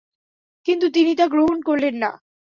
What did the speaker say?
কিন্তু তিনি তা গ্রহণ করলেন না।